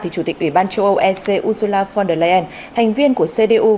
chủ tịch ủy ban châu âu ec ursula von der leyen hành viên của cdu